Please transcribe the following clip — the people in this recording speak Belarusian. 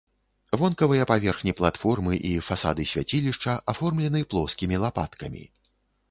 Вонкавыя паверхні платформы і фасады свяцілішча аформлены плоскімі лапаткамі.